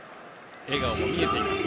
笑顔を見せています。